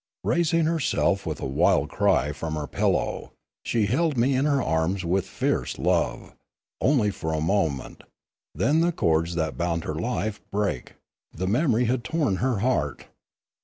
Raising herself with a wild cry from her pillow, she held me in her arms with fierce love; only for a moment; then the cords that bound her life brake; the memory had torn her heart.